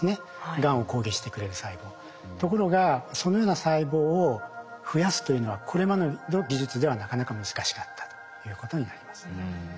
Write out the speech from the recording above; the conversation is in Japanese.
ところがそのような細胞を増やすというのはこれまでの技術ではなかなか難しかったということになります。